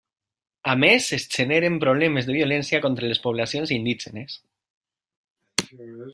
A més, es generen problemes de violència contra les poblacions indígenes.